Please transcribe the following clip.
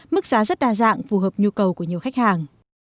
mức giá rất đa dạng phù hợp nhu cầu của nhiều khách hàng